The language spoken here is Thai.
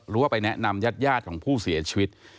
หรือว่าไปแนะนำยาดของผู้เสียชีวิต